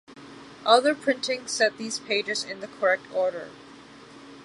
Other printing set these pages in the correct order.